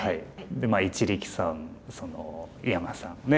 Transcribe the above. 一力さん井山さんね